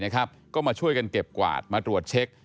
ก็มาช่วยกันเก็บกวาดมาตรวจเช็ค